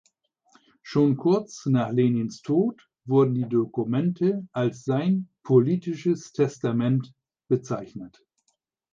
Schon kurz nach Lenins Tod wurden die Dokumente als sein „politisches Testament“ bezeichnet.